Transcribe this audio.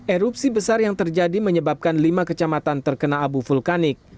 erupsi besar yang terjadi menyebabkan lima kecamatan terkena abu vulkanik